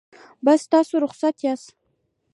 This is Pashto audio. بس دی تاسو رخصت یاست.